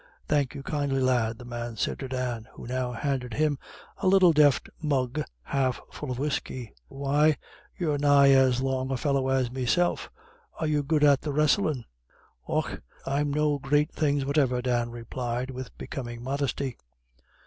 Thank you kindly, lad," the old man said to Dan, who now handed him a little delft mug half full of whisky. "Why, you're nigh as long a fellow as meself. Are you good at the wrestlin'?" "Och, I'm no great things whatever," Dan replied with becoming modesty.